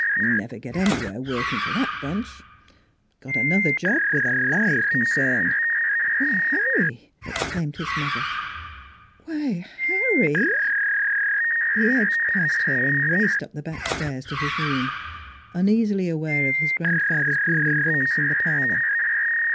" Never get anywhere working for that bunch. ... Got another job with a live con cern." " Why, Harry," exclaimed his mother. " Why, Harry!" 246 NEIGHBORS He edged past her and raced up the back stairs to his room, uneasily aware of his grandfather's booming voice in the parlor.